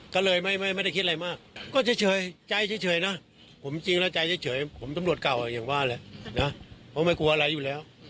ใช่ผมก็ยังเชื่อใจทนายผมอยู่